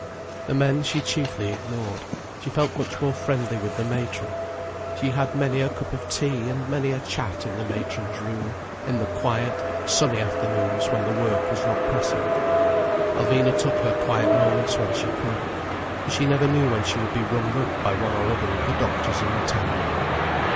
The men she chiefly ignored: she felt much more friendly with the matron. She had many a cup of tea and many a chat in the matron's room, in the quiet, sunny afternoons when the work was not pressing. Alvina took her quiet moments when she could: for she never knew when she would be rung up by one or other of the doctors in the town.